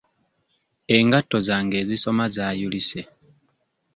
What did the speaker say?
Engatto zange ezisoma zaayulise.